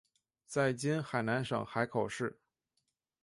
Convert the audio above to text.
在今海南省海口市。